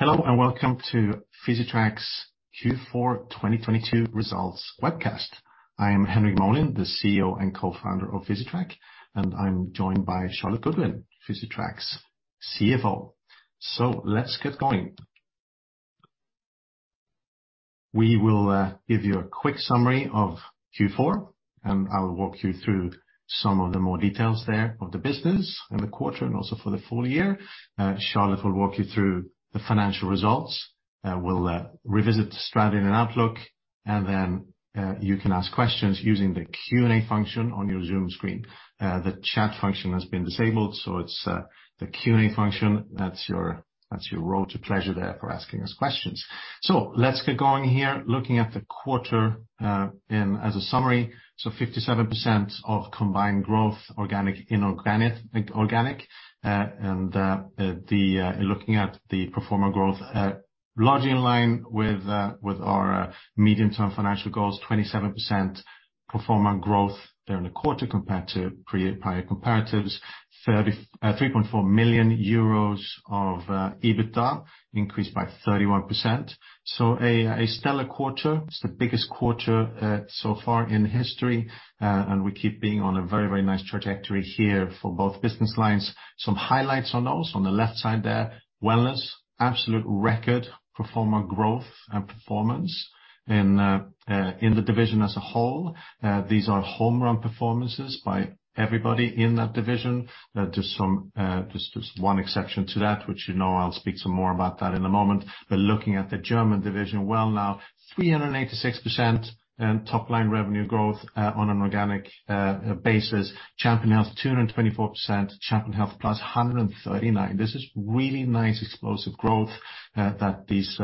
Hello and welcome to Physitrack's Q4 2022 Results Webcast. I am Henrik Molin, the CEO and co-founder of Physitrack, and I'm joined by Charlotte Goodwin, Physitrack's CFO. Let's get going. We will give you a quick summary of Q4, and I will walk you through some of the more details there of the business in the quarter and also for the full year. Charlotte will walk you through the financial results. We'll revisit strategy and outlook, and then you can ask questions using the Q&A function on your Zoom screen. The chat function has been disabled, so it's the Q&A function that's your, that's your road to pleasure there for asking us questions. Let's get going here. Looking at the quarter, and as a summary, 57% of combined growth, organic, inorganic, organic. Looking at the pro forma growth, largely in line with our medium to financial goals, 27% pro forma growth during the quarter compared to prior comparatives. 3.4 million euros of EBITDA increased by 31%. A stellar quarter. It's the biggest quarter so far in history. We keep being on a very nice trajectory here for both business lines. Some highlights on those on the left side there. Wellness, absolute record pro forma growth and performance in the division as a whole. These are home run performances by everybody in that division. Just one exception to that, which you know, I'll speak some more about that in a moment. But looking at the German division, Wellnow, 386% in top line revenue growth on an organic basis. Champion Health, 224%. Champion Health Plus, 139%. This is really nice explosive growth that these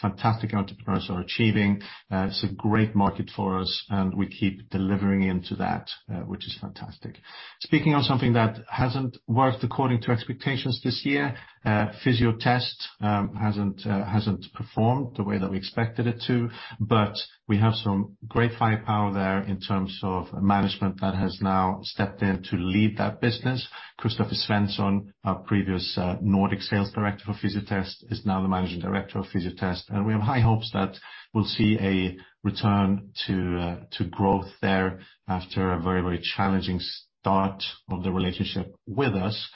fantastic entrepreneurs are achieving. It's a great market for us, and we keep delivering into that, which is fantastic. Speaking of something that hasn't worked according to expectations this year, Fysiotest hasn't performed the way that we expected it to, but we have some great firepower there in terms of management that has now stepped in to lead that business. Christopher Svensson, our previous Nordic sales director for Fysiotest, is now the Managing Director of Fysiotest, we have high hopes that we'll see a return to growth there after a very, very challenging start of the relationship with us.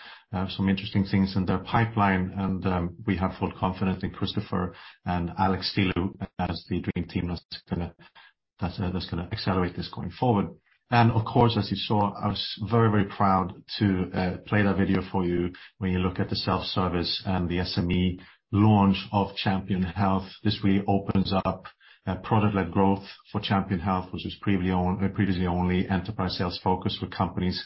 Some interesting things in their pipeline, we have full confidence in Christopher and Alex Thiele as the dream team that's gonna accelerate this going forward. Of course, as you saw, I was very, very proud to play that video for you. When you look at the self-service and the SME launch of Champion Health, this really opens up product-led growth for Champion Health, which was previously only enterprise sales focused for companies,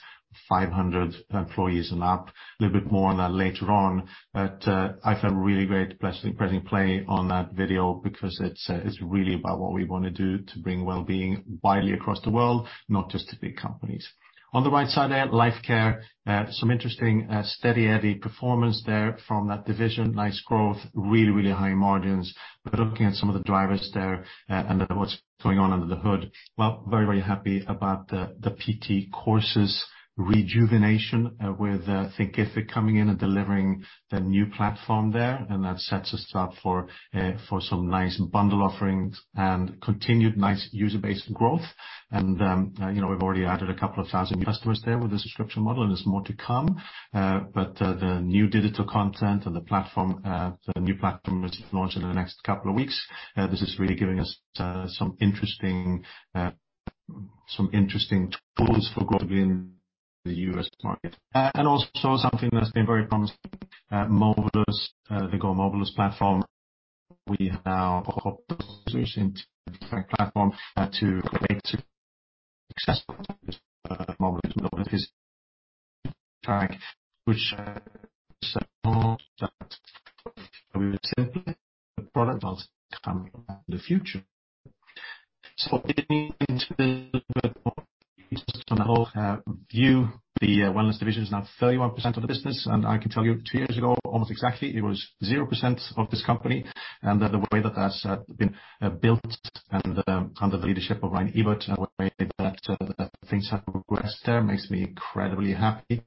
500 employees and up. A little bit more on that later on. I felt really great pressing play on that video because it's really about what we wanna do to bring wellbeing widely across the world, not just to big companies. On the right side there, Lifecare, some interesting, steady Eddie performance there from that division. Nice growth, really, really high margins. Looking at some of the drivers there, and what's going on under the hood, well, very, very happy about the PT Courses rejuvenation, with Thinkific coming in and delivering the new platform there. That sets us up for some nice bundle offerings and continued nice user-based growth. You know, we've already added a couple of 1,000 customers there with the subscription model, and there's more to come. The new digital content and the platform, the new platform, which is launching in the next couple of weeks, this is really giving us some interesting tools for growth in the U.S. market. Also, something that's been very promising, Mobilus, the Mobilus platform. We have now platform to create successful coming in the future. On the whole, view, the wellness division is now 31% of the business. I can tell you, two years ago, almost exactly, it was 0% of this company. The way that has been built and under the leadership of Ryan Ebert, the way that things have progressed there makes me incredibly happy.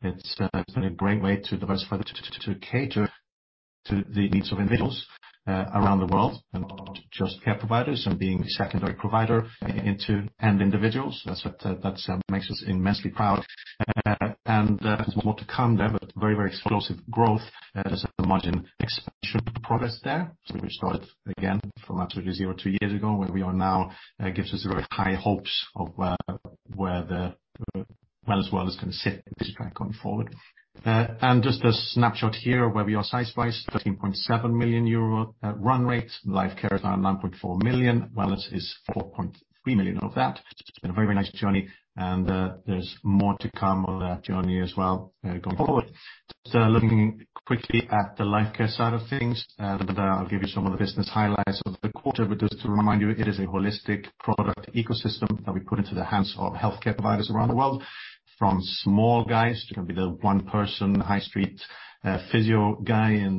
It's been a great way to diversify, to cater to the needs of individuals around the world and not just care providers and being a secondary provider into end individuals. That's what makes us immensely proud. There's more to come there, but very, very explosive growth. There's some margin expansion progress there. We started again from absolutely zero two years ago, where we are now, gives us very high hopes of where the wellness world is gonna sit in Physitrack going forward. Just a snapshot here of where we are size-wise, 13.7 million euro run rate. Lifecare is around 9.4 million. Wellness is 4.3 million of that. It's been a very nice journey and there's more to come on that journey as well, going forward. Looking quickly at the Lifecare side of things, and I'll give you some of the business highlights of the quarter. Just to remind you, it is a holistic product ecosystem that we put into the hands of healthcare providers around the world. From small guys, it can be the one person, high street, physio guy in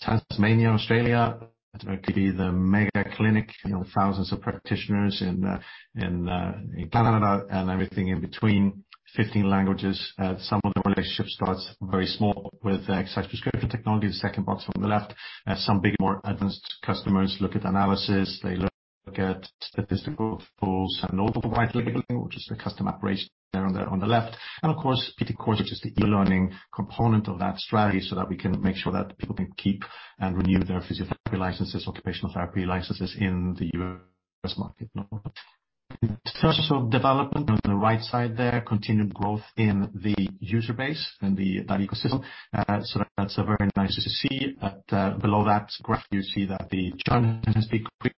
Tasmania, Australia. It could be the mega clinic, you know, thousands of practitioners in Canada and everything in between. 15 languages. Some of the relationship starts very small with exercise prescription technology, the second box on the left. Some big, more advanced customers look at analysis, they look at statistical tools and white labeling, which is the custom operation there on the left. Of course, PT Courses, which is the e-learning component of that strategy, so that we can make sure that people can keep and renew their physiotherapy licenses, occupational therapy licenses in the U.S. market. In terms of development on the right side there, continued growth in the user base and the value ecosystem. That's very nice to see. Below that graph, you see that the churn has been quick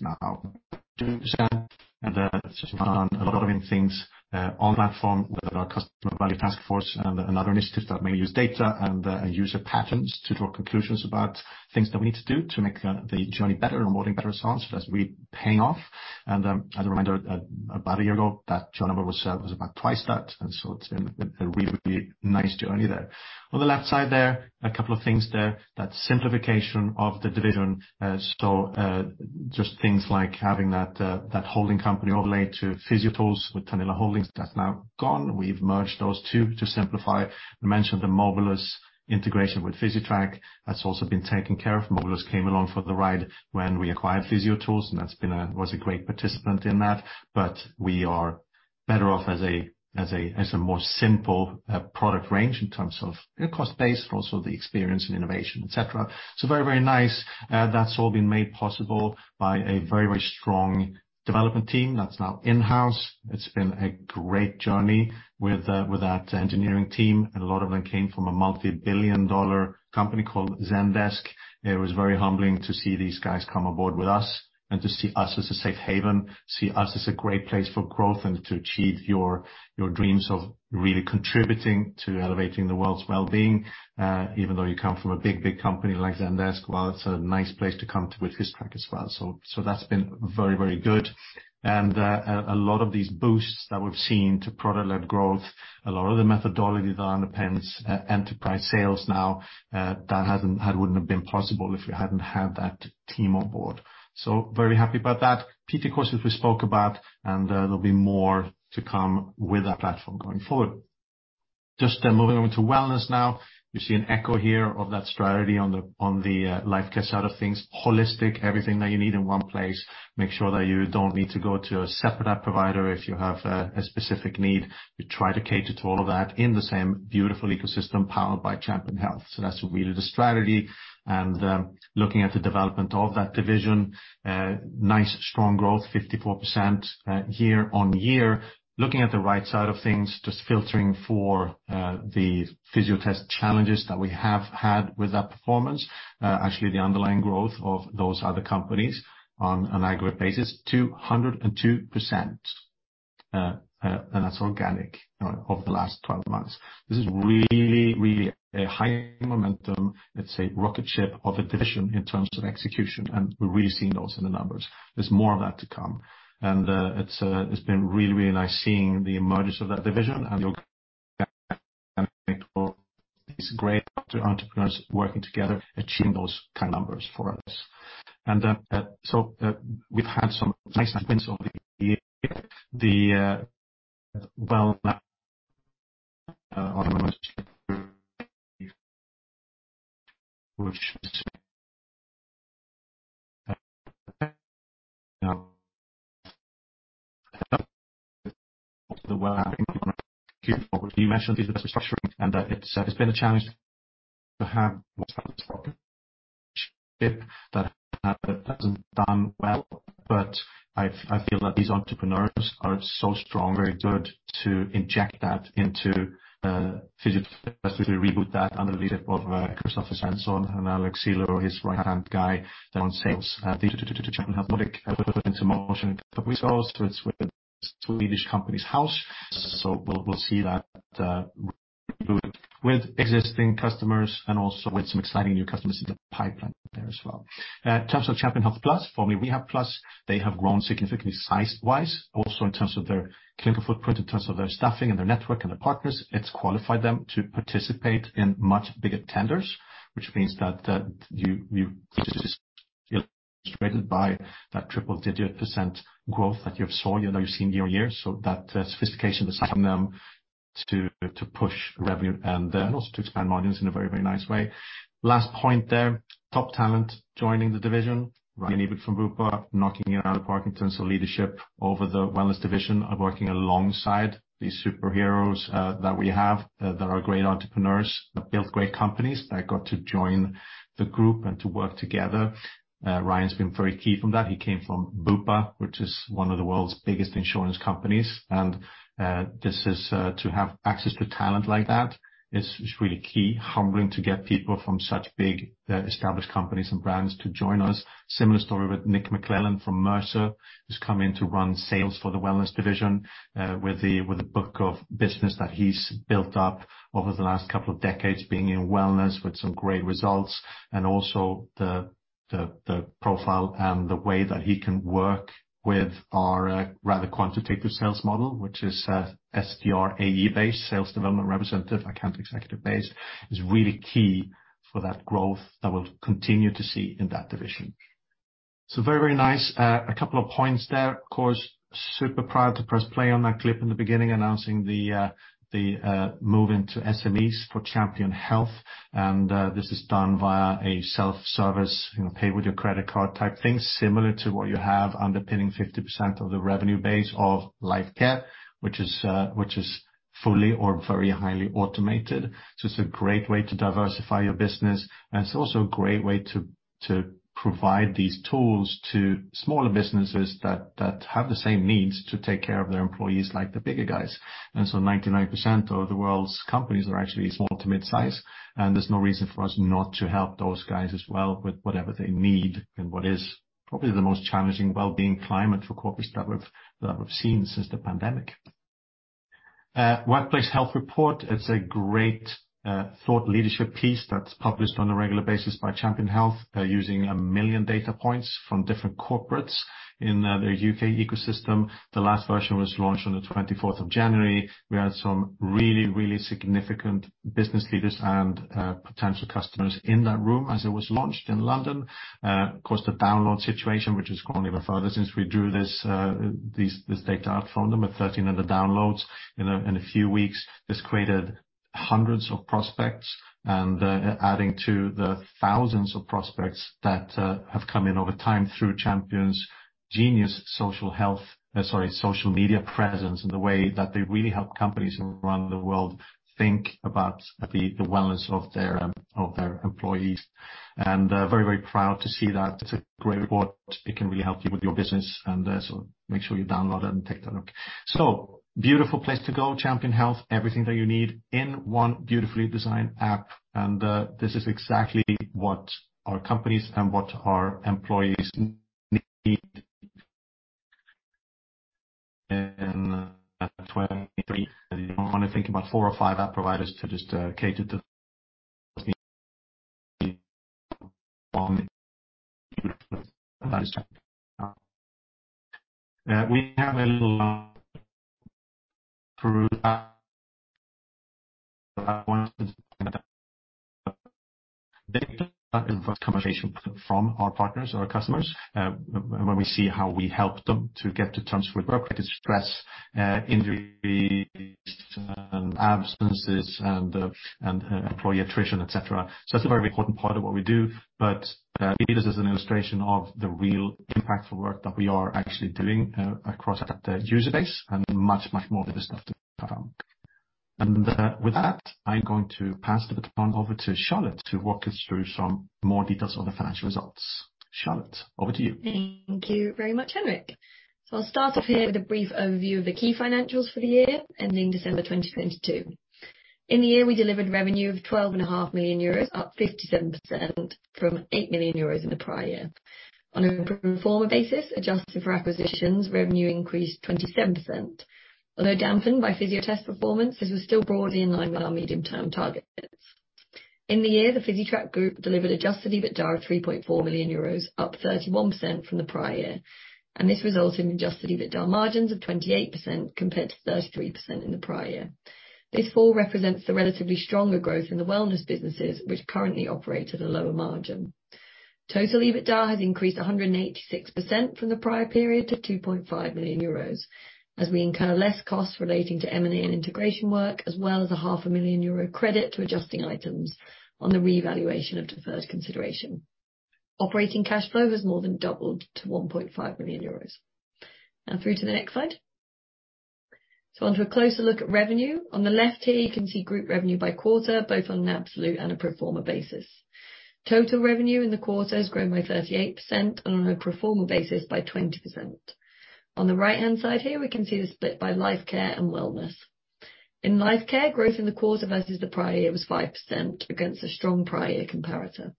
now. That's just done a lot of things on platform with our customer value task force and other initiatives that may use data and user patterns to draw conclusions about things that we need to do to make the journey better and more better results as we paying off. As a reminder, about one year ago, that churn number was about twice that. It's been a really nice journey there. On the left side there, a couple of things there. That simplification of the division. Just things like having that holding company overlay to PhysioTools with Tanela Holdings, that's now gone. We've merged those two to simplify. I mentioned the Mobilus integration with Physitrack. That's also been taken care of. Mobilus came along for the ride when we acquired PhysioTools, was a great participant in that. We are better off as a more simple product range in terms of cost base, but also the experience and innovation, et cetera. Very, very nice. That's all been made possible by a very, very strong development team that's now in-house. It's been a great journey with that engineering team. A lot of them came from a multi-billion dollar company called Zendesk. It was very humbling to see these guys come aboard with us and to see us as a safe haven, see us as a great place for growth and to achieve your dreams of really contributing to elevating the world's wellbeing. Even though you come from a big, big company like Zendesk, well, it's a nice place to come to with Physitrack as well. That's been very, very good. A lot of these boosts that we've seen to product-led growth, a lot of the methodology that underpins enterprise sales now, that wouldn't have been possible if we hadn't had that team on board. Very happy about that. PT Courses we spoke about, there'll be more to come with that platform going forward. Moving on to wellness now. You see an echo here of that strategy on the Lifecare side of things. Holistic, everything that you need in one place. Make sure that you don't need to go to a separate app provider if you have a specific need. We try to cater to all of that in the same beautiful ecosystem powered by Champion Health. That's really the strategy. Looking at the development of that division, nice strong growth, 54% year-on-year. Looking at the right side of things, just filtering for the Fysiotest challenges that we have had with that performance. Actually, the underlying growth of those other companies on an aggregate basis, 202%. That's organic over the last 12 months. This is really a high momentum, let's say rocket ship of a division in terms of execution, and we're really seeing those in the numbers. There's more of that to come. It's been really, really nice seeing the emergence of that division and the organic these great entrepreneurs working together, achieve those kinds of numbers for us. We've had some nice wins over the year. Well, you mentioned the business structuring, and that it's been a challenge to have that hasn't done well. I feel that these entrepreneurs are so strong, very good to inject that into Fysiotest as we reboot that under the leadership of Christopher Svensson and Alex Thiele, his right-hand guy on sales. The Champion Health product put into motion a couple of years ago, so it's with Swedish Companies House. We'll see that reboot with existing customers and also with some exciting new customers in the pipeline there as well. In terms of Champion Health+, for me, Rehabplus, they have grown significantly size-wise, also in terms of their clinical footprint, in terms of their staffing and their network and their partners. It's qualified them to participate in much bigger tenders, which means that you illustrated by that triple-digit % growth that you saw, you know, you've seen year-on-year. That sophistication is helping them to push revenue and then also to expand margins in a very, very nice way. Last point there, top talent joining the division. Ryan Ebert from Bupa knocking around the park in terms of leadership over the wellness division of working alongside these superheroes that we have that are great entrepreneurs that built great companies that got to join the group and to work together. Ryan's been very key from that. He came from Bupa, which is one of the world's biggest insurance companies, and, this is, to have access to talent like that is really key. Humbling to get people from such big, established companies and brands to join us. Similar story with Nick McClellan from Mercer, who's come in to run sales for the wellness division, with the, with the book of business that he's built up over the last couple of decades being in wellness with some great results. Also the, the profile and the way that he can work with our, rather quantitative sales model, which is, SDR AE-based, sales development representative, account executive base, is really key for that growth that we'll continue to see in that division. So very, very nice. A couple of points there. Of course, super proud to press play on that clip in the beginning, announcing the move into SMEs for Champion Health. This is done via a self-service, you know, pay-with-your-credit-card type thing, similar to what you have underpinning 50% of the revenue base of Lifecare, which is fully or very highly automated. It's a great way to diversify your business, and it's also a great way to provide these tools to smaller businesses that have the same needs to take care of their employees like the bigger guys. Ninety-nine percent of the world's companies are actually small to mid-size, and there's no reason for us not to help those guys as well with whatever they need in what is probably the most challenging well-being climate for corporates that we've seen since the pandemic. Workplace Health Report, it's a great thought leadership piece that's published on a regular basis by Champion Health, using one million data points from different corporates in their U.K. ecosystem. The last version was launched on the 24th of January. We had some really, really significant business leaders and potential customers in that room as it was launched in London. Of course, the download situation, which has gone even further since we drew this data out from them, at 1,300 downloads in a few weeks, has created hundreds of prospects and adding to the thousands of prospects that have come in over time through Champion's genius sorry, social media presence and the way that they really help companies around the world think about the wellness of their employees. Very, very proud to see that. It's a great report. It can really help you with your business, so make sure you download it and take a look. Beautiful place to go, Champion Health. Everything that you need in one beautifully designed app. This is exactly what our companies and what our employees need. In 2023, you only think about four or five app providers to just cater to. when we see how we help them to get to terms with work-related stress, injuries and absences and employee attrition, et cetera. That's a very important part of what we do. It is as an illustration of the real impactful work that we are actually doing across the user base and much, much more of this stuff to come. With that, I'm going to pass the baton over to Charlotte to walk us through some more details on the financial results. Charlotte, over to you. Thank you very much, Henrik. I'll start off here with a brief overview of the key financials for the year ending December 2022. In the year, we delivered revenue of 12.5 million euros, up 57% from 8 million euros in the prior year. On a pro forma basis, adjusted for acquisitions, revenue increased 27%. Although dampened by Fysiotest performance, this was still broadly in line with our medium-term targets. In the year, the Physitrack Group delivered adjusted EBITDA of 3.4 million euros, up 31% from the prior year, and this resulted in adjusted EBITDA margins of 28% compared to 33% in the prior year. This fall represents the relatively stronger growth in the wellness businesses, which currently operate at a lower margin. Total EBITDA has increased 186% from the prior period to 2.5 million euros, as we incur less costs relating to M&A and integration work, as well as a half a million EUR credit to adjusting items on the revaluation of deferred consideration. Operating cash flow has more than doubled to 1.5 million euros. Through to the next slide. On to a closer look at revenue. On the left here, you can see group revenue by quarter, both on an absolute and a pro forma basis. Total revenue in the quarter has grown by 38% and on a pro forma basis by 20%. On the right-hand side here, we can see the split by LifeCare and wellness. In LifeCare, growth in the quarter versus the prior year was 5% against a strong prior year comparator.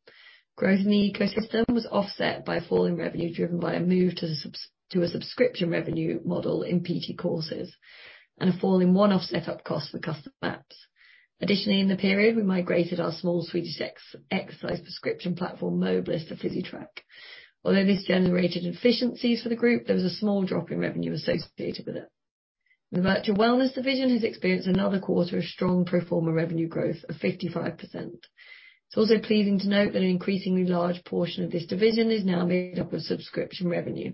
Growth in the ecosystem was offset by a fall in revenue driven by a move to a subscription revenue model in PT Courses and a fall in one-off set-up costs for custom apps. Additionally, in the period, we migrated our small Swedish ex-exercise prescription platform, Mobilus, to Physitrack. Although this generated efficiencies for the group, there was a small drop in revenue associated with it. The virtual wellness division has experienced another quarter of strong pro forma revenue growth of 55%. It's also pleasing to note that an increasingly large portion of this division is now made up of subscription revenue,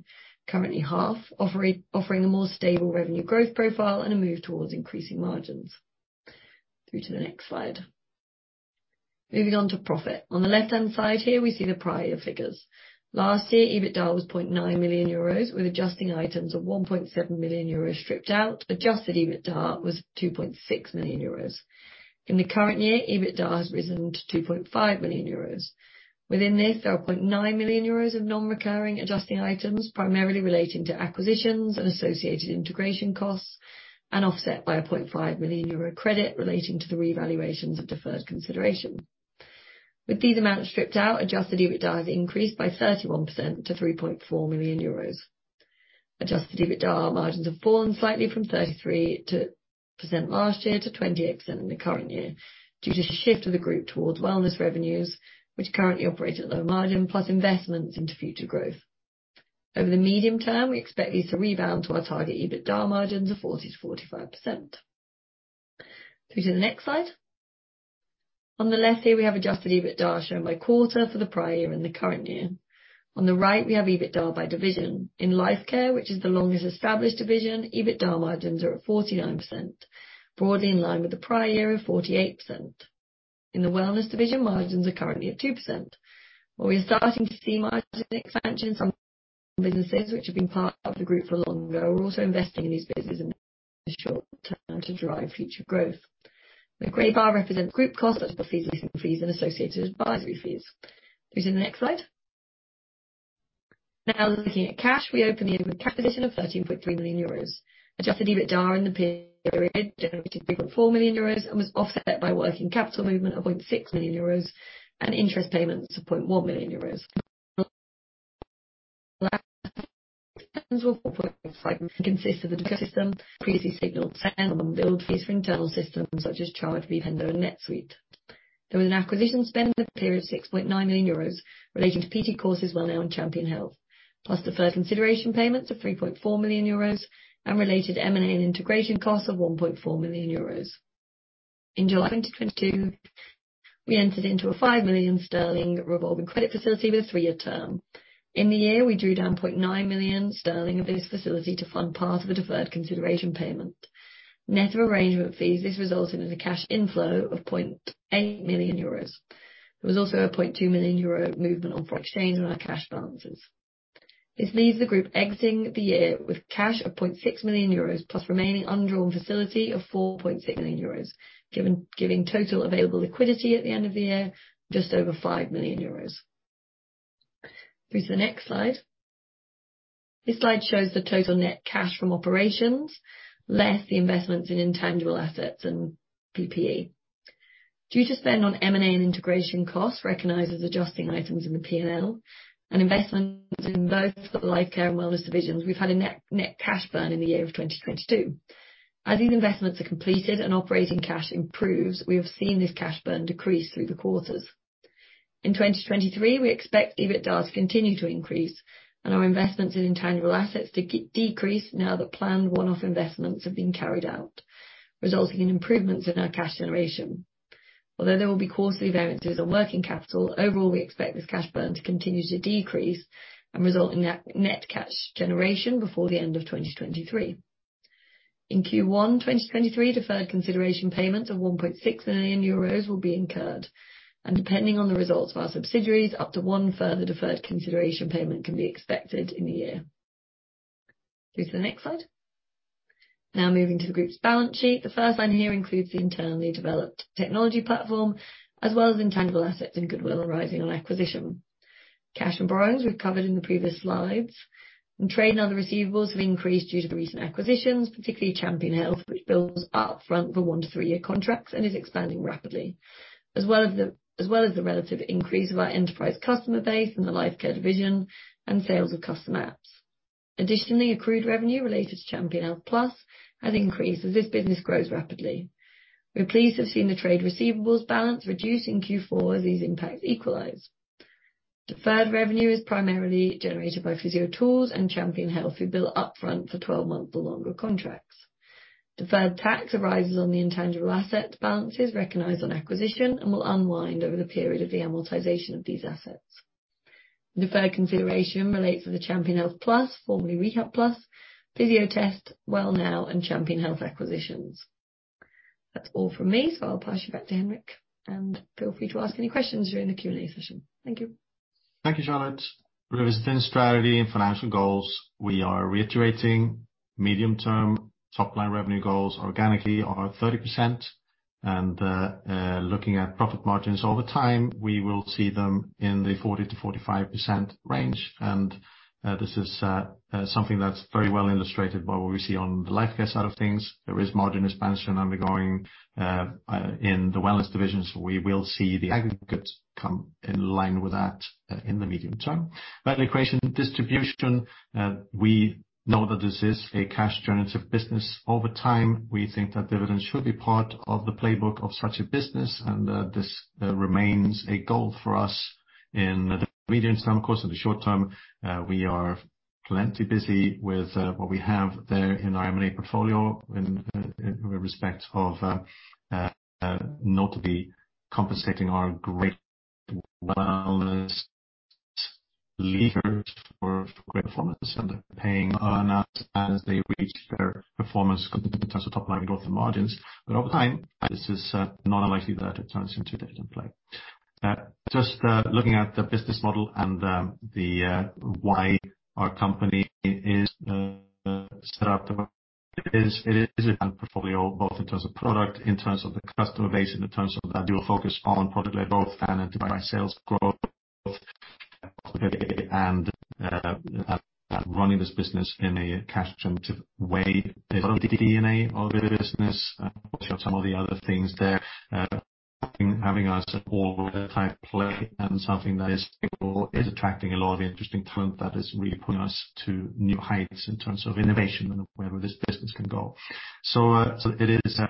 currently half, offering a more stable revenue growth profile and a move towards increasing margins. Through to the next slide. Moving on to profit. On the left-hand side here, we see the prior figures. Last year, EBITDA was 0.9 million euros, with adjusting items of 1.7 million euros stripped out. Adjusted EBITDA was 2.6 million euros. In the current year, EBITDA has risen to 2.5 million euros. Within this, there are 0.9 million euros of non-recurring adjusting items, primarily relating to acquisitions and associated integration costs, and offset by a 0.5 million euro credit relating to the revaluations of deferred consideration. With these amounts stripped out, adjusted EBITDA has increased by 31% to 3.4 million euros. Adjusted EBITDA margins have fallen slightly from 33% last year to 28% in the current year due to shift of the group towards wellness revenues, which currently operate at low margin plus investments into future growth. Over the medium term, we expect these to rebound to our target EBITDA margins of 40%-45%. Through to the next slide. On the left here, we have adjusted EBITDA shown by quarter for the prior year and the current year. On the right, we have EBITDA by division. In Lifecare, which is the longest established division, EBITDA margins are at 49%, broadly in line with the prior year of 48%. In the wellness division, margins are currently at 2%. While we are starting to see margin expansion businesses which have been part of the group for longer, we're also investing in these businesses to drive future growth. The gray bar represents group costs, such as fees, listing fees, and associated advisory fees. Through to the next slide. Now, looking at cash, we opened the year with cash position of 13.3 million euros. Adjusted EBITDA in the period generated 3.4 million euros and was offset by working capital movement of 0.6 million euros and interest payments of 0.1 million euros. for internal systems such as Chargebee, Pendo, and NetSuite. There was an acquisition spend in the period of 6.9 million euros relating to PT Courses, Wellnow and Champion Health, plus deferred consideration payments of 3.4 million euros and related M&A and integration costs of 1.4 million euros. In July of 2022, we entered into a 5 million sterling revolving credit facility with a three-year term. In the year, we drew down 0.9 million sterling of this facility to fund part of the deferred consideration payment. Net of arrangement fees, this resulted in a cash inflow of 0.8 million euros. There was also a 0.2 million euro movement on foreign exchange on our cash balances. This leaves the group exiting the year with cash of 0.6 million euros, plus remaining undrawn facility of 4.6 million euros, giving total available liquidity at the end of the year, just over 5 million euros. Through to the next slide. This slide shows the total net cash from operations, less the investments in intangible assets and PPE. Due to spend on M&A and integration costs recognized as adjusting items in the P&L and investments in both the Lifecare and Wellness divisions, we've had a net cash burn in the year of 2022. As these investments are completed and operating cash improves, we have seen this cash burn decrease through the quarters. In 2023, we expect EBITDA to continue to increase and our investments in intangible assets to de-decrease now that planned one-off investments have been carried out, resulting in improvements in our cash generation. Although there will be quarterly variances on working capital, overall, we expect this cash burn to continue to decrease and result in net cash generation before the end of 2023. In Q1, 2023, deferred consideration payments of 1.6 million euros will be incurred. Depending on the results of our subsidiaries, up to one further deferred consideration payment can be expected in the year. Through to the next slide. Now moving to the group's balance sheet. The first line here includes the internally developed technology platform, as well as intangible assets and goodwill arising on acquisition. Cash and borrowings, we've covered in the previous slides. Trade and other receivables have increased due to the recent acquisitions, particularly Champion Health, which bills up front for one to three-year contracts and is expanding rapidly. As well as the relative increase of our enterprise customer base in the Lifecare division and sales of custom apps. Additionally, accrued revenue related to Champion Health Plus has increased as this business grows rapidly. We're pleased to have seen the trade receivables balance reduce in Q4 as these impacts equalize. Deferred revenue is primarily generated by PhysioTools and Champion Health, who bill up front for 12-month or longer contracts. Deferred tax arises on the intangible asset balances recognized on acquisition and will unwind over the period of the amortization of these assets. Deferred consideration relates to the Champion Health Plus, formerly Rehabplus, Fysiotest, Wellnow, and Champion Health acquisitions. That's all from me, so I'll pass you back to Henrik, and feel free to ask any questions during the Q&A session. Thank you. Thank you, Charlotte. Revisiting strategy and financial goals, we are reiterating medium-term top-line revenue goals organically are 30%. Looking at profit margins over time, we will see them in the 40%-45% range. This is something that's very well illustrated by what we see on the Lifecare side of things. There is margin expansion undergoing in the wellness divisions. We will see the aggregate come in line with that in the medium term. Finally, question distribution. We know that this is a cash generative business. Over time, we think that dividends should be part of the playbook of such a business, and this remains a goal for us in the medium term. Of course, in the short term, we are plenty busy with what we have there in our M&A portfolio in respect of notably compensating our great wellness leaders for great performance and paying on as they reach their performance in terms of top-line growth and margins. Over time, this is not unlikely that it turns into a dividend play. Just looking at the business model and the why our company is set up the way it is. It is a portfolio, both in terms of product, in terms of the customer base, and in terms of the dual focus on product-led growth and device sales growth, and running this business in a cash generative way is in the DNA of the business. Of course, you have some of the other things there. Having a support type play and something that is stable is attracting a lot of interesting talent that is really putting us to new heights in terms of innovation and wherever this business can go. It is a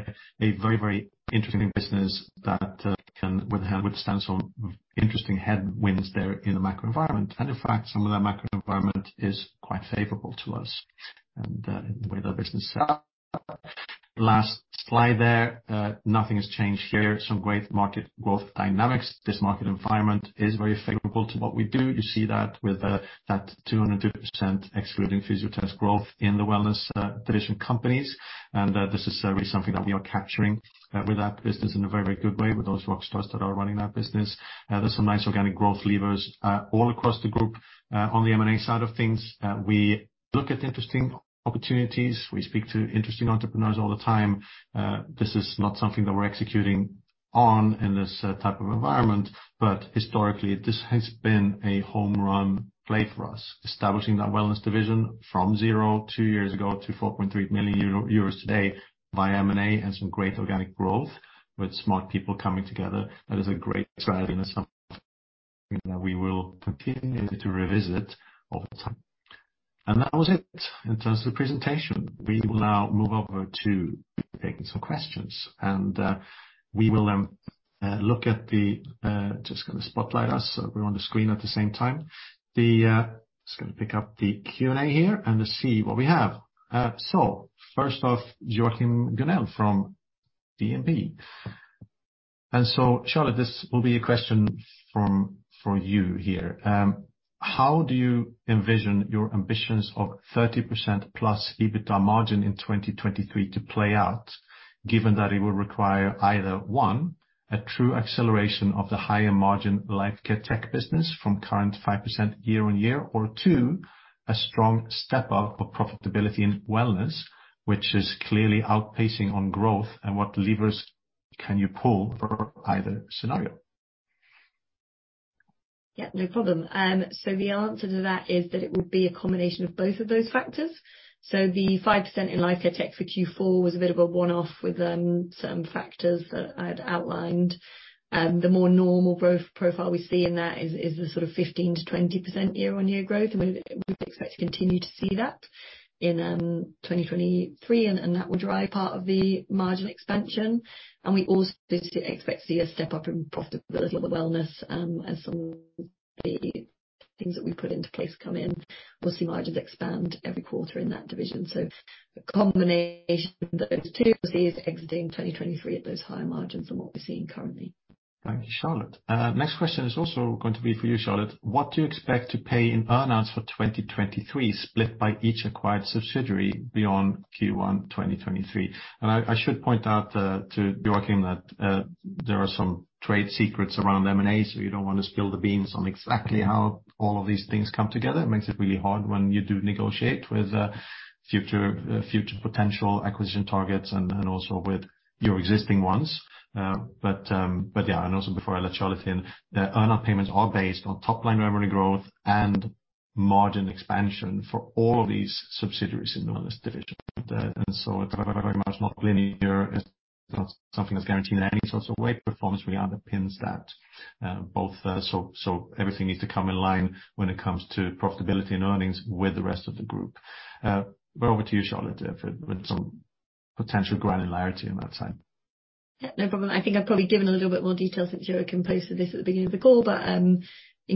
very, very interesting business that can withstand some interesting headwinds there in the macro environment. In fact, some of that macro environment is quite favorable to us and the way the business is set up. Last slide there, nothing has changed here. Some great market growth dynamics. This market environment is very favorable to what we do. You see that with that 202% excluding Fysiotest growth in the wellness division companies. This is certainly something that we are capturing with that business in a very good way with those rock stars that are running that business. There're some nice organic growth levers all across the group. On the M&A side of things, we look at interesting opportunities. We speak to interesting entrepreneurs all the time. This is not something that we're executing on in this type of environment, but historically, this has been a home run play for us, establishing that wellness division from zero two years ago to 4.3 million euro today by M&A and some great organic growth with smart people coming together. That is a great strategy and something that we will continue to revisit over time. That was it in terms of the presentation. We will now move over to taking some questions. We will look at the... Just gonna spotlight us so we're on the screen at the same time. The... Just gonna pick up the Q&A here and see what we have. First off, Joachim Gunell from BNP. Charlotte, this will be a question for you here. How do you envision your ambitions of 30% plus EBITDA margin in 2023 to play out, given that it would require either, one, a true acceleration of the higher margin Lifecare Tech business from current 5% year on year, or two, a strong step up of profitability in wellness, which is clearly outpacing on growth, and what levers can you pull for either scenario? Yeah, no problem. The answer to that is that it would be a combination of both of those factors. The 5% in Lifecare Tech for Q4 was a bit of a one-off with some factors that I'd outlined. The more normal growth profile we see in that is the sort of 15%-20% year-on-year growth, and we'd expect to continue to see that in 2023, and that would drive part of the margin expansion. We also expect to see a step up in profitability with wellness, as some of the things that we've put into place come in. We'll see margins expand every quarter in that division. A combination of those two, we'll see us exiting 2023 at those higher margins than what we're seeing currently. Thank you, Charlotte. Next question is also going to be for you, Charlotte. What do you expect to pay in earn-outs for 2023, split by each acquired subsidiary beyond Q1 2023? I should point out to Joachim Gunell that there are some trade secrets around M&A, so you don't wanna spill the beans on exactly how all of these things come together. It makes it really hard when you do negotiate with future potential acquisition targets and also with your existing ones. But yeah. Also before I let Charlotte in, the earn-out payments are based on top-line revenue growth and margin expansion for all of these subsidiaries in the wellness division. So it's very much not linear. It's not something that's guaranteed in any sorts of way. Performance really underpins that, both, so everything needs to come in line when it comes to profitability and earnings with the rest of the group. Over to you, Charlotte, with some potential granularity on that side. Yeah, no problem. I think I've probably given a little bit more detail since Joachim posted this at the beginning of the call. In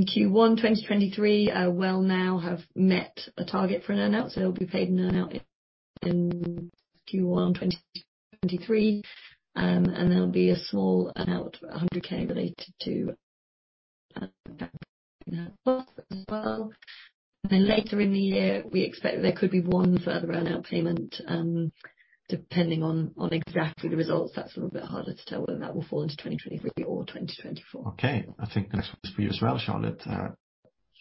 Q1 2023, Wellnow have met a target for an earn-out, so it'll be paid an earn-out in Q1 2023. There'll be a small earn-out, 100k, related to as well. Later in the year, we expect there could be one further earn-out payment, depending on exactly the results. That's a little bit harder to tell whether that will fall into 2023 or 2024. Okay. I think the next one is for you as well, Charlotte.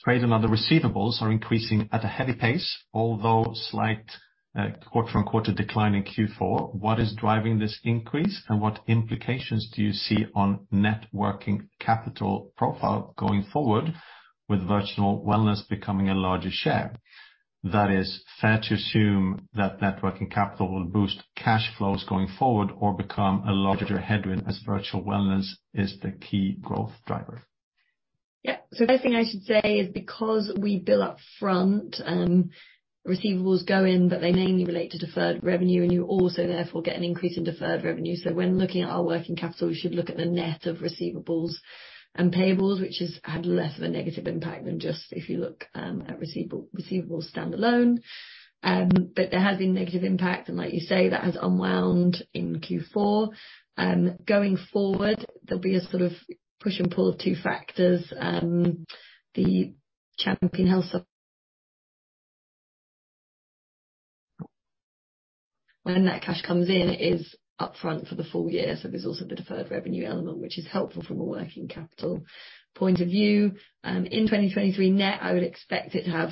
Trade among the receivables are increasing at a heavy pace, although slight, quarter-on-quarter decline in Q4. What is driving this increase, and what implications do you see on net working capital profile going forward with virtual wellness becoming a larger share? That is fair to assume that net working capital will boost cash flows going forward or become a larger headwind as virtual wellness is the key growth driver. The first thing I should say is because we bill up front, receivables go in, but they mainly relate to deferred revenue, and you also therefore get an increase in deferred revenue. When looking at our working capital, you should look at the net of receivables and payables, which has had less of a negative impact than just if you look at receivables standalone. There has been negative impact, and like you say, that has unwound in Q4. Going forward, there will be a sort of push and pull of two factors. Champion Health. When that cash comes in, it is upfront for the full year, so there is also the deferred revenue element, which is helpful from a working capital point of view. In 2023 net, I would expect it to have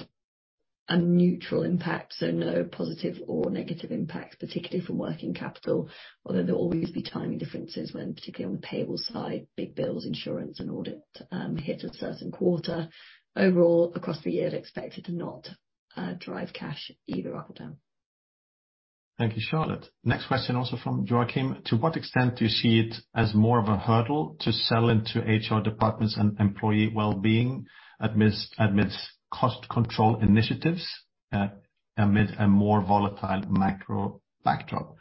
a neutral impact, so no positive or negative impacts, particularly from working capital. Although there'll always be timing differences when, particularly on the payable side, big bills, insurance and audit hit a certain quarter. Overall, across the year, I'd expect it to not drive cash either up or down. Thank you, Charlotte. Next question also from Joachim. To what extent do you see it as more of a hurdle to sell into HR departments and employee well-being amidst cost control initiatives amid a more volatile macro backdrop?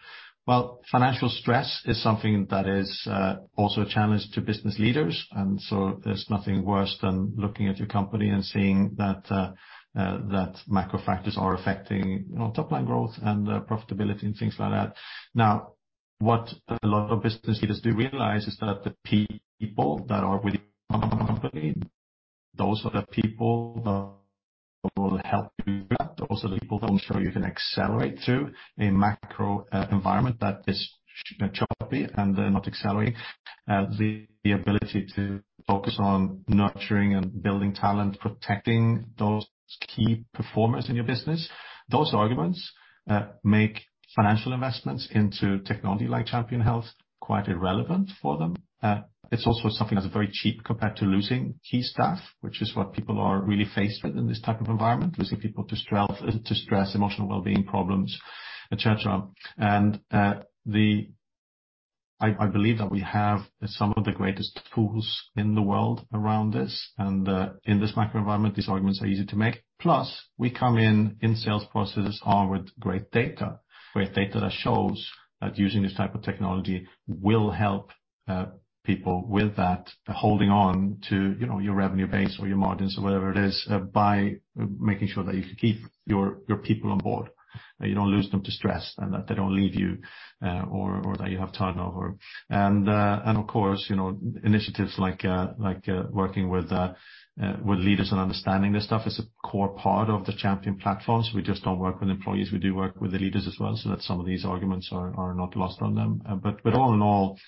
Well, financial stress is something that is also a challenge to business leaders. So there's nothing worse than looking at your company and seeing that macro factors are affecting, you know, top line growth and profitability and things like that. What a lot of business leaders do realize is that the people that are with the company, those are the people that will help you. Those are the people that will show you can accelerate through a macro environment that is choppy and not accelerating. The ability to focus on nurturing and building talent, protecting those key performers in your business, those arguments make financial investments into technology like Champion Health quite irrelevant for them. It's also something that's very cheap compared to losing key staff, which is what people are really faced with in this type of environment, losing people to stress, emotional well-being problems, et cetera. I believe that we have some of the greatest tools in the world around this, in this macro environment, these arguments are easy to make. Plus, we come in sales processes are with great data, great data that shows that using this type of technology will help people with that holding on to, you know, your revenue base or your margins or whatever it is, by making sure that you can keep your people on board, that you don't lose them to stress, and that they don't leave you or that you have turnover. Of course, you know, initiatives like working with leaders and understanding this stuff is a core part of the Champion platform. We just don't work with employees. We do work with the leaders as well, so that some of these arguments are not lost on them. All in all,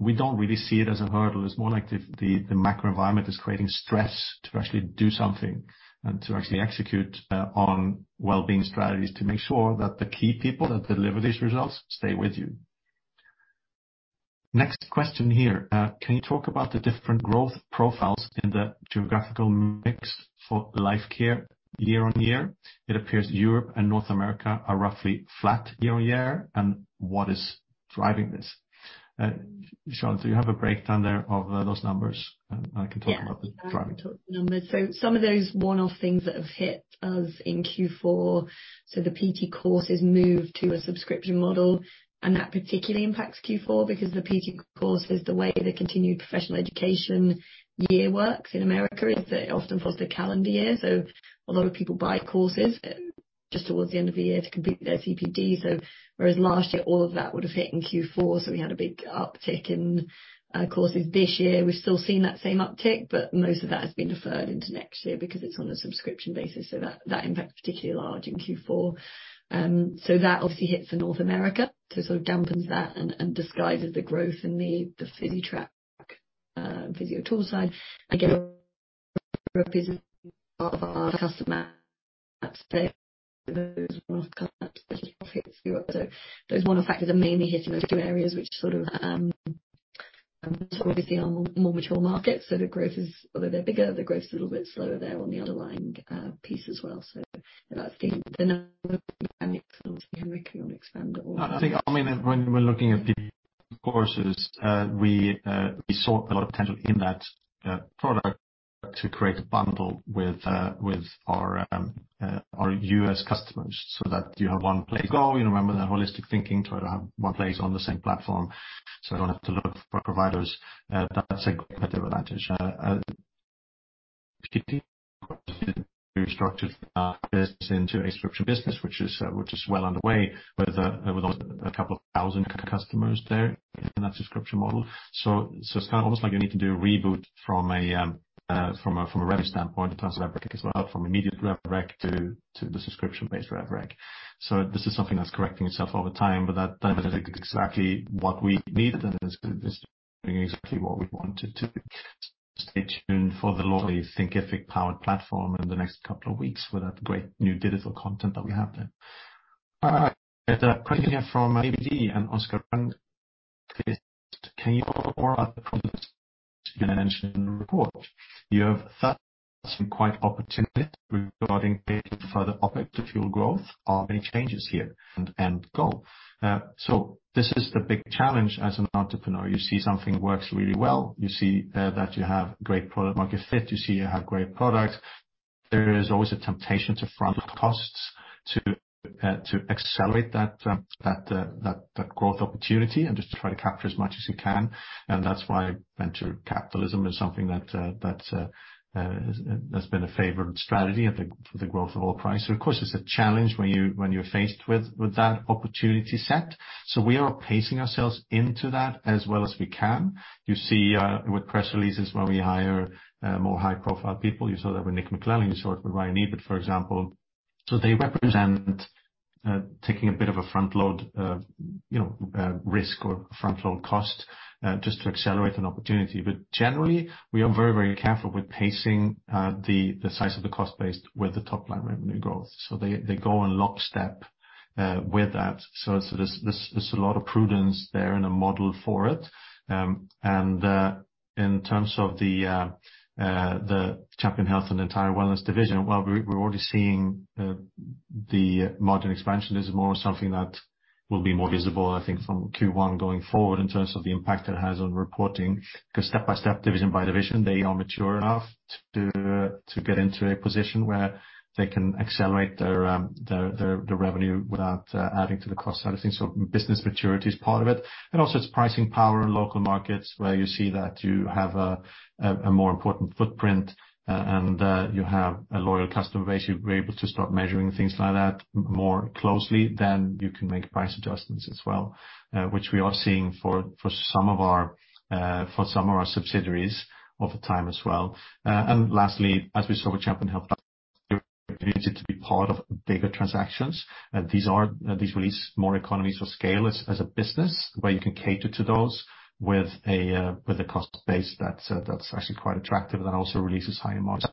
we don't really see it as a hurdle. It's more like the macro environment is creating stress to actually do something and to actually execute on well-being strategies to make sure that the key people that deliver these results stay with you. Next question here. Can you talk about the different growth profiles in the geographical mix for Lifecare year-on-year? It appears Europe and North America are roughly flat year-on-year. What is driving this? Charlotte, do you have a breakdown there of those numbers? I can talk about the driving. Yeah. I can talk numbers. Some of those one-off things that have hit us in Q4, the PT Courses move to a subscription model, and that particularly impacts Q4 because the PT Courses, the way the continued professional education year works in America, is that it often follows the calendar year. A lot of people buy courses just towards the end of the year to complete their CPD. Whereas last year, all of that would have hit in Q4, we had a big uptick in courses. This year, we've still seen that same uptick, but most of that has been deferred into next year because it's on a subscription basis. That impact is particularly large in Q4. That obviously hits the North America to sort of dampens that and disguises the growth in the Physitrack, PhysioTools side. Again, part of our customer I think, I mean, when we're looking at the courses, we saw a lot of potential in that product to create a bundle with our U.S. customers so that you have one place to go. You remember that holistic thinking, try to have one place on the same platform, so you don't have to look for providers. That's a competitive advantage. PT structured into a subscription business, which is well underway with a couple of thousand customers there in that subscription model. It's kind of almost like you need to do a reboot from a rev standpoint, in terms of rev-rec as well, from immediate rev-rec to the subscription-based rev-rec. This is something that's correcting itself over time, but that is exactly what we needed and is exactly what we wanted to stay tuned for the Thinkific powered platform in the next couple of weeks with a great new digital content that we have there. All right. A question here from ABG Sundal Collier and Oscar. This is the big challenge as an entrepreneur. You see something works really well. You see that you have great product market fit. You see you have great product. There is always a temptation to front load costs to accelerate that growth opportunity and just try to capture as much as you can. That's why venture capitalism is something that has been a favored strategy for the growth of all price. Of course, it's a challenge when you're faced with that opportunity set. We are pacing ourselves into that as well as we can. You see with press releases where we hire more high-profile people. You saw that with Nick McClellan, you saw it with Ryan Ebert, for example. They represent taking a bit of a front load, you know, risk or front load cost just to accelerate an opportunity. Generally, we are very, very careful with pacing the size of the cost base with the top-line revenue growth. They go in lockstep with that. There's a lot of prudence there and a model for it. In terms of the Champion Health and Entire Wellness division, well, we're already seeing The margin expansion is more something that will be more visible, I think, from Q1 going forward in terms of the impact it has on reporting. Step by step, division by division, they are mature enough to get into a position where they can accelerate their revenue without adding to the cost side of things. Business maturity is part of it. Also it's pricing power in local markets where you see that you have a more important footprint, and you have a loyal customer base. You're able to start measuring things like that more closely, then you can make price adjustments as well, which we are seeing for some of our subsidiaries over time as well. Lastly, as we saw with Champion Health it needs it to be part of bigger transactions. These release more economies of scale as a business where you can cater to those with a with a cost base that's actually quite attractive and also releases higher margins.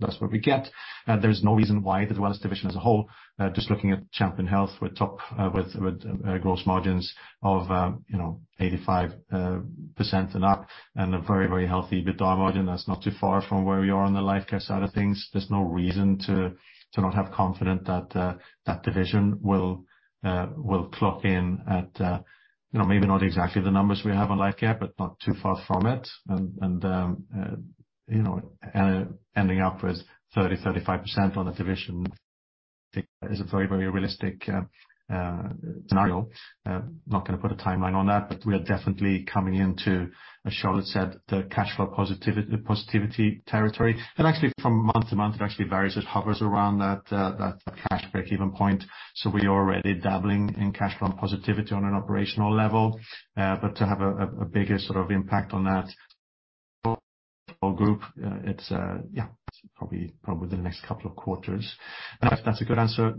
That's what we get. There's no reason why the wellness division as a whole, just looking at Champion Health with gross margins of, you know, 85% and up and a very, very healthy EBITDA margin that's not too far from where we are on the Lifecare side of things. There's no reason to not have confidence that that division will clock in at, you know, maybe not exactly the numbers we have on Lifecare, but not too far from it. You know, ending up with 30%-35% on the division is a very, very realistic scenario. Not gonna put a timeline on that, but we are definitely coming into, as Charlotte said, the cash flow positivity territory. Actually from month to month, it actually varies. It hovers around that cash break-even point. We are already dabbling in cash flow positivity on an operational level. To have a biggest sort of impact on that whole group, it's, yeah, probably the next couple of quarters. If that's a good answer,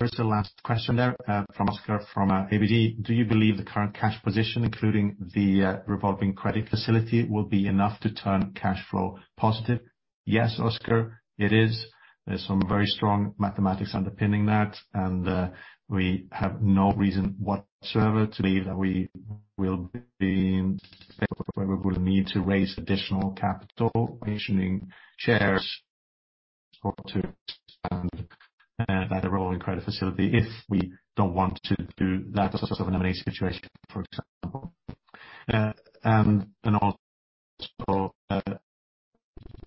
there's the last question there from Oscar from ABG. Do you believe the current cash position, including the revolving credit facility, will be enough to turn cash flow positive? Yes, Oscar, it is. We have no reason whatsoever to believe that we will need to raise additional capital issuing shares or to expand that revolving credit facility if we don't want to do that sort of an M&A situation, for example.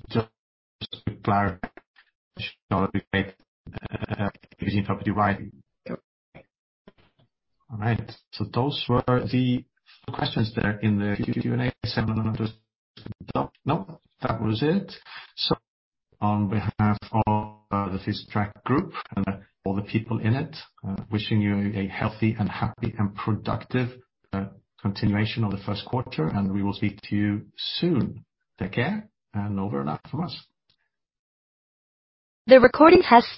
Just to clarify. Those were the questions there in the Q&A. Simon, just to confirm, that was it. On behalf of the Physitrack Group and all the people in it, wishing you a healthy and happy and productive continuation of the Q1. We will speak to you soon. Take care, and over and out from us. The recording has concluded.